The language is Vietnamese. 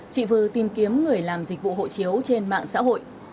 chị vư tìm kiếm người làm dịch vụ hộ chiếu trên mạng xã hội